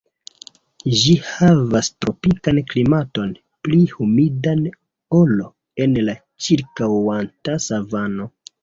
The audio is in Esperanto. Ĝi havas tropikan klimaton, pli humidan ol en la ĉirkaŭanta savano.